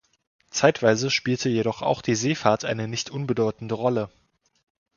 Zeitweise spielte jedoch auch die Seefahrt eine nicht unbedeutende Rolle.